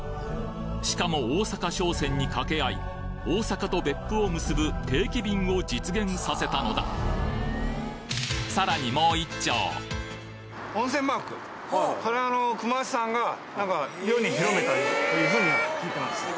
しかも大阪商船に掛け合い大阪と別府を結ぶ定期便を実現させたのだという風には聞いてます。